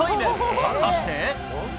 果たして？